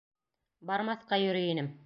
Бармаҫҡа йөрөй инем.